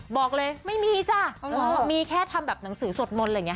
บอกเลยไม่มีจ้ะมีแค่ทำแบบหนังสือสวดมนต์อะไรอย่างนี้